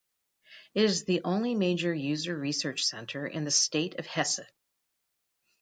It is the only major user research center in the State of Hesse.